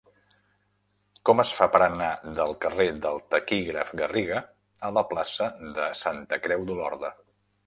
Com es fa per anar del carrer del Taquígraf Garriga a la plaça de Santa Creu d'Olorda?